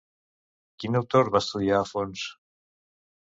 Quin autor va estudiar a fons?